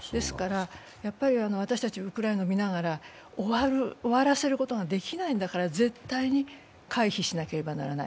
やっぱり私たちはウクライナを見ながら、終わらせることはできないんだから絶対に回避しなければならない。